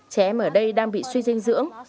trẻ em ở đây đang bị suy dinh dưỡng